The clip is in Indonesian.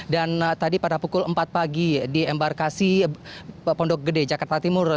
dan tadi pada pukul empat pagi di embarkasi pondok gede jakarta timur